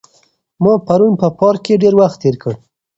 ما پرون په پارک کې ډېر وخت تېر کړ.